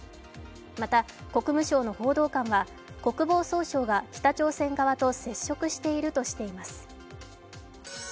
また、国務省の報道官は、国防総省が北朝鮮側と接触しているとしています。